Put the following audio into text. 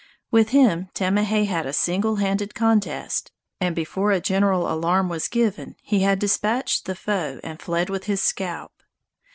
With him Tamahay had a single handed contest, and before a general alarm was given he had dispatched the foe and fled with his scalp.